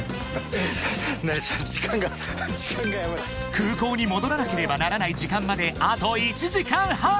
［空港に戻らなければならない時間まであと１時間半］